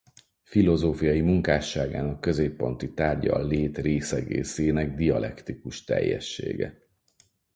Filozófiai munkásságának középponti tárgya a lét rész-egészének dialektikus teljessége.